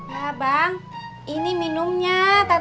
ya bang ini minumnya